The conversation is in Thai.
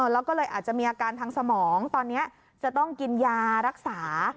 แล้วก็เลยอาจจะมีอาการทางสมองตอนนี้จะต้องกินยารักษา